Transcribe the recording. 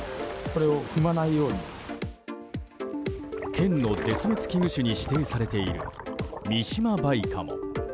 県の絶滅危惧種に指定されているミシマバイカモ。